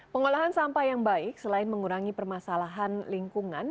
pengolahan sampah yang baik selain mengurangi permasalahan lingkungan